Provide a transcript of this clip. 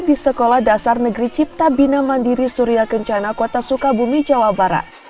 di sekolah dasar negeri cipta bina mandiri surya kencana kota sukabumi jawa barat